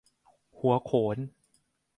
หัวโขน